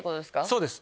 そうです。